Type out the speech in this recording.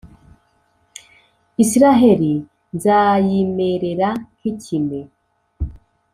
Israheli nzayimerera nk’ikime,